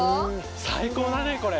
最高だねこれ。